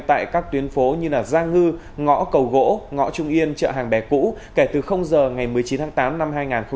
tại các tuyến phố như gia ngư ngõ cầu gỗ ngõ trung yên chợ hàng bè cũ kể từ giờ ngày một mươi chín tháng tám năm hai nghìn hai mươi